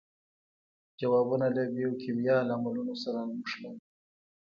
ځوابونه له بیوکیمیاوي لاملونو سره نښلوي.